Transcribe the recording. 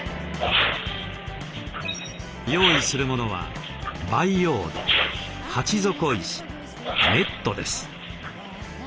用意するものは培養土鉢底石ネットです。